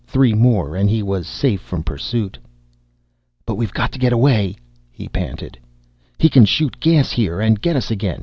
Three more, and he was safe from pursuit. "But we've got to get away!" he panted. "He can shoot gas here and get us again!